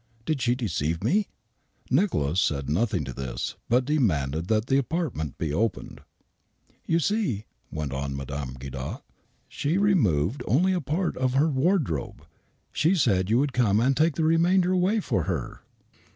Did she deceive me ?" Nicholas said nothing to this, but demanded that the apart ment be opened. " You see," went on Mme. Guidard, " she only removed a part of her wardrobe. She said you would come and take the remainder away for her."